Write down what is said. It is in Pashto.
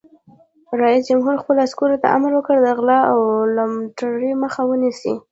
رئیس جمهور خپلو عسکرو ته امر وکړ؛ د غلا او لوټمارۍ مخه ونیسئ!